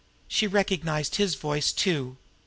She recognized his voice, too.